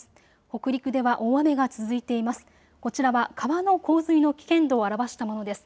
北陸では大雨が続いています。